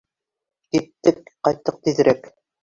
Киттек, ҡайттыҡ тиҙерәк!